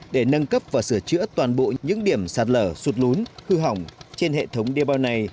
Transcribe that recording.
để nâng cấp và sửa chữa toàn bộ những điểm sạt lở sụt lún hư hỏng trên hệ thống đê bao này